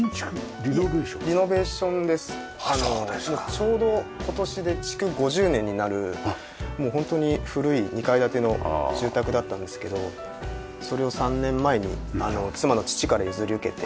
ちょうど今年で築５０年になる本当に古い２階建ての住宅だったんですけどそれを３年前に妻の父から譲り受けて。